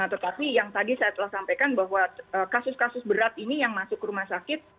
tetapi yang tadi saya telah sampaikan bahwa kasus kasus berat ini yang masuk ke rumah sakit